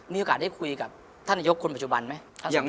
มีโอกาสได้คุยกับท่านนายกคนปัจจุบันไหม